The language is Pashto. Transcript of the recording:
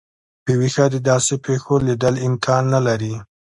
په ویښه د داسي پیښو لیدل امکان نه لري.